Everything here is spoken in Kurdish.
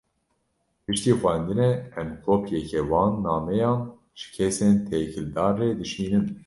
Piştî xwendinê, em kopyeke wan nameyan, ji kesên têkildar re dişînin